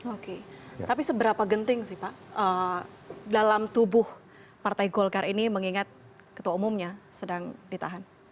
oke tapi seberapa genting sih pak dalam tubuh partai golkar ini mengingat ketua umumnya sedang ditahan